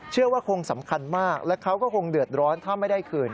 เชื่อว่าคงสำคัญมากและเขาก็คงเดือดร้อนถ้าไม่ได้คืน